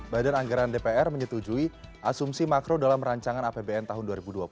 badan anggaran dpr menyetujui asumsi makro dalam rancangan apbn tahun dua ribu dua puluh